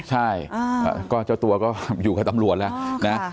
ใช่ก็เจ้าตัวก็อยู่กับตำรวจแล้วนะ